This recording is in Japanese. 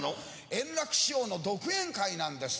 圓楽師匠の独演会なんです。